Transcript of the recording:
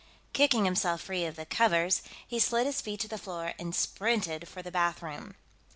Kicking himself free of the covers, he slid his feet to the floor and sprinted for the bathroom.